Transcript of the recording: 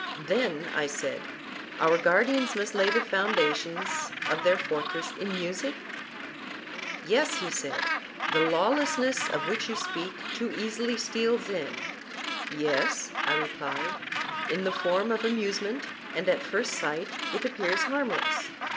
Then, I said, our guardians must lay the foundations of their fortress in music? Yes, he said; the lawlessness of which you speak too easily steals in. Yes, I replied, in the form of amusement; and at first sight it appears harmless.